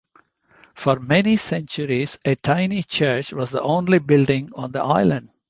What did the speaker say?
For many centuries a tiny church was the only building on the Island.